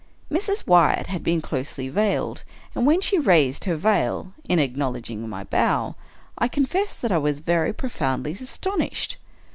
Mrs. Wyatt had been closely veiled; and when she raised her veil, in acknowledging my bow, I confess that I was very profoundly astonished.